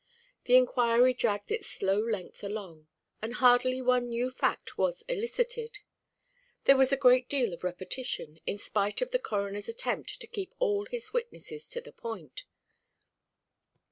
The inquiry dragged its slow length along, and hardly one new fact was elicited. There was a great deal of repetition, in spite of the Coroner's attempt to keep all his witnesses to the point.